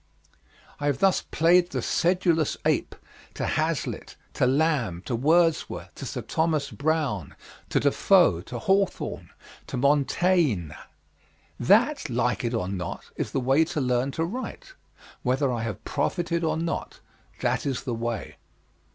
I have thus played the sedulous ape to Hazlitt, to Lamb, to Wordsworth, to Sir Thomas Browne, to Defoe, to Hawthorne, to Montaigne. That, like it or not, is the way to learn to write; whether I have profited or not, that is the way.